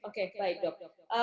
oke baik dok